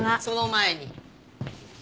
その前に。